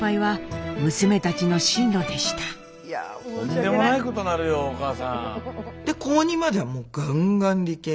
とんでもないことになるよお母さん。